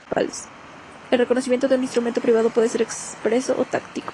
El reconocimiento de un instrumento privado puede ser expreso o tácito.